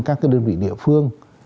các đơn vị địa phương